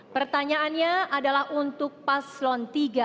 pertanyaannya adalah untuk paslon tiga